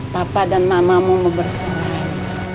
papa dan mamamu mau bercerai